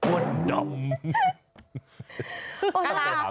อ้วนดำ